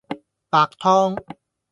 白湯